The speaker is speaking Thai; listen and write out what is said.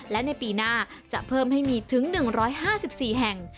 และในปีหน้าจะเพิ่มให้มีถึง๑๕๔แห่ง